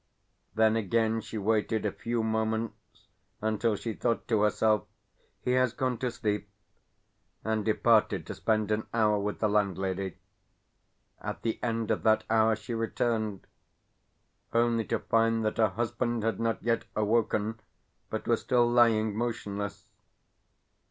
Then again she waited a few moments until she thought to herself, "He has gone to sleep," and departed to spend an hour with the landlady. At the end of that hour she returned only to find that her husband had not yet awoken, but was still lying motionless.